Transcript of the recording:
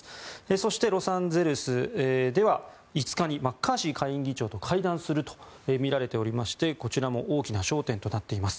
そして、ロサンゼルスでは５日にマッカーシー下院議長と会談するとみられておりましてこちらも大きな焦点となっています。